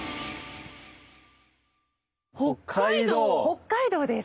北海道です。